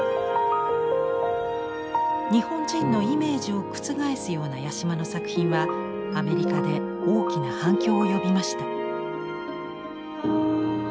日本人のイメージを覆すような八島の作品はアメリカで大きな反響を呼びました。